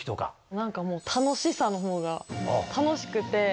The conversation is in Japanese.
何かもう楽しさのほうが楽しくて。